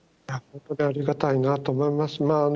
ありがたいなと思います。